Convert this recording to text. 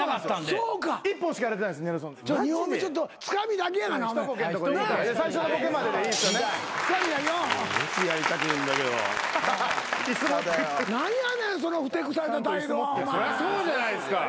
そりゃそうじゃないですか。